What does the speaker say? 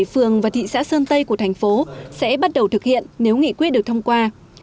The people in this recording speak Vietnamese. một trăm bảy mươi bảy phường và thị xã sơn tây của thành phố sẽ bắt đầu thực hiện nếu nghị quyết được thông qua